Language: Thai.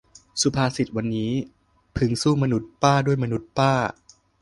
สุภาษิตวันนี้ : พึงสู้มนุษย์ป้าด้วยมนุษย์ป้า